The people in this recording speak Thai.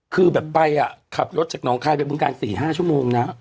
คือแบบไปอ่ะขับรถจากน้องคายเป็นเบื้องกาล๔๕ชั่วโมงนะ